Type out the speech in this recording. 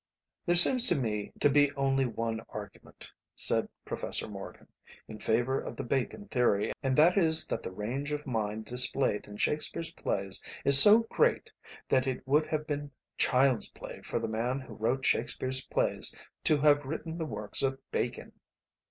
"There seems to me to be only one argument," said Professor Morgan, "in favour of the Bacon theory, and that is that the range of mind displayed in Shakespeare's plays is so great that it would have been child's play for the man who wrote Shakespeare's plays to have written the works of Bacon."